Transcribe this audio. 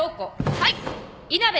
はい！